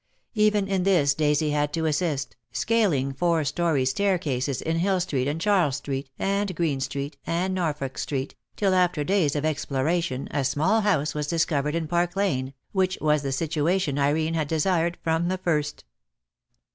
Even in this Daisy had to assist, scaling four storey staircases in Hill Street and Charles Street, and Green Street, and Norfolk Street, till after days of exploration a small house was dis covered in Park Lane, which was the situation Irene had desired from the first.